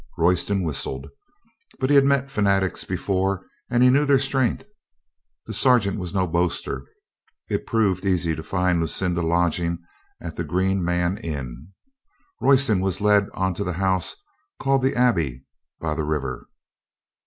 Royston whistled. But he had met fanatics be fore and knew their strength. The sergeant was no boaster. It proved easy to find Lucinda lodging at the Green Man Inn. Royston was led on to the house called the Abbey by the river.